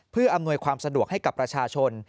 เพื่ออำนวยความสะดวกให้กับประชาชน